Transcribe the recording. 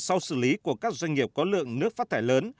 sau xử lý của các doanh nghiệp có lượng nước phát thải lớn